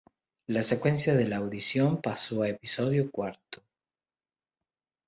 La secuencia de la audición pasó al episodio cuarto.